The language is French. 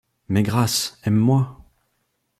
Mais grâce! aime-moi !